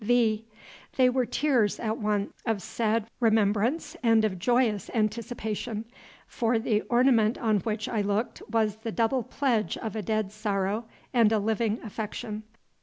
V. They were tears at once of sad remembrance and of joyous anticipation; for the ornament on which I looked was the double pledge of a dead sorrow and a living affection.